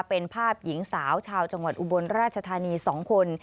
เป็นภาพหญิงสาวชาวจังหวัดอุบลราชธานี๒คน